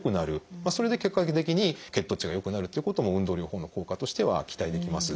それで結果的に血糖値が良くなるっていうことも運動療法の効果としては期待できます。